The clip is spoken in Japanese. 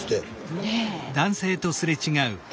ねえ。